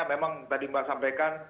memang tadi mbak sampaikan